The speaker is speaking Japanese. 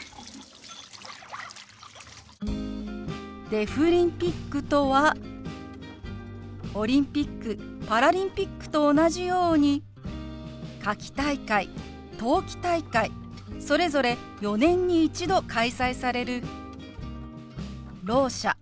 「デフリンピック」とはオリンピックパラリンピックと同じように夏季大会冬季大会それぞれ４年に一度開催されるろう者